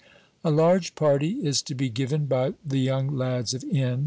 A large party is to be given by the young lads of N.